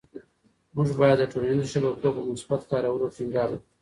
موږ باید د ټولنيزو شبکو په مثبت کارولو ټینګار وکړو.